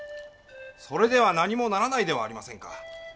それでは何もならないではありませんか。